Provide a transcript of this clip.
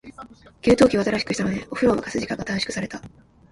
給湯器を新しくしたので、お風呂を沸かす時間が短縮された。